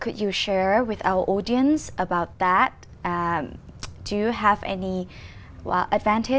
nếu chúng ta nhìn thấy những nguyên liệu này